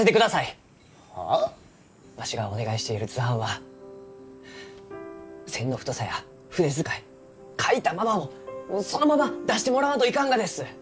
わしがお願いしている図版は線の太さや筆遣い描いたままをそのまま出してもらわんといかんがです！